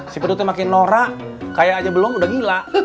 si pedutnya makin norak kaya aja belum udah gila